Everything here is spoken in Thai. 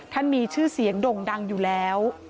มีชื่อเสียงด่งดังอยู่แล้ว